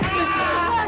tentu kulitnya sama anda